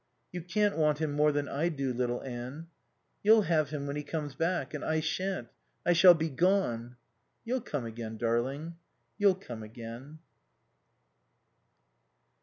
"You can't want him more than I do, little Anne." "You'll have him when he comes back. And I shan't. I shall be gone." "You'll come again, darling. You'll come again."